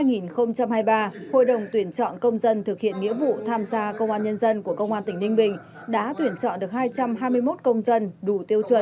năm hai nghìn hai mươi ba hội đồng tuyển chọn công dân thực hiện nghĩa vụ tham gia công an nhân dân của công an tỉnh ninh bình đã tuyển chọn được hai trăm hai mươi một công dân đủ tiêu chuẩn